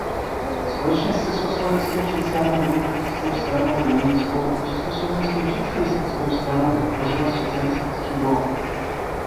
Společně s Československou sociálně demokratickou stranou dělnickou a Československou socialistickou stranou utvořila Socialistický blok.